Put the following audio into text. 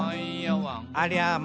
「ありゃま！